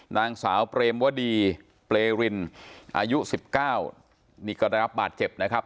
นางสาวเปรมวดีเปรรินอายุสิบเก้านิกระรับบาดเจ็บนะครับ